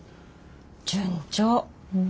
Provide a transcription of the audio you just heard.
順調。